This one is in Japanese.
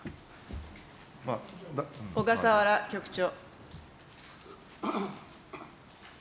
小笠原局長。